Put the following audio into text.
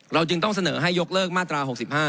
จึงต้องเสนอให้ยกเลิกมาตรา๖๕